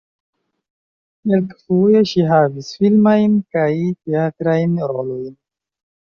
Kelkfoje ŝi havis filmajn kaj teatrajn rolojn.